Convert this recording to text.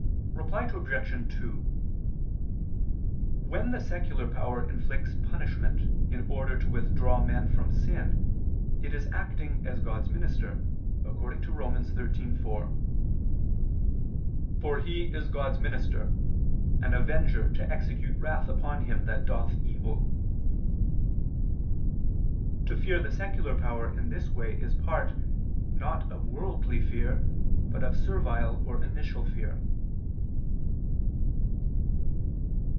Reply Obj. 2: When the secular power inflicts punishment in order to withdraw men from sin, it is acting as God's minister, according to Rom. 13:4, "For he is God's minister, an avenger to execute wrath upon him that doth evil." To fear the secular power in this way is part, not of worldly fear, but of servile or initial fear.